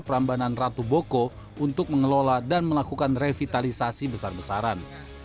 perambanan ratu boko untuk mengelola dan melakukan revitalisasi besar besaran